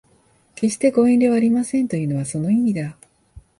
決してご遠慮はありませんというのはその意味だ